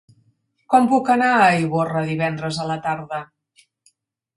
Com puc anar a Ivorra divendres a la tarda?